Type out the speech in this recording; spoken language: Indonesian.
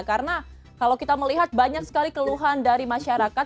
karena kalau kita melihat banyak sekali keluhan dari masyarakat